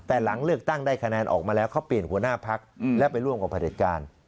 แต่หลังเลือกตั้งได้คะแนนออกมาแล้วเขาเปลี่ยนหัวหน้าพักและไปร่วมกับประเด็จการ